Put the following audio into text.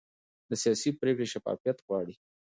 سیاسي پرېکړې شفافیت غواړي